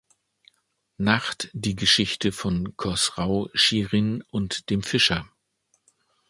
Nacht die Geschichte von Chosrau, Schirin und dem Fischer.